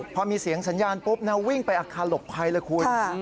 พอมีเสียงสัญญาณปุ๊บนะวิ่งไปอาคารหลบภัยเลยคุณ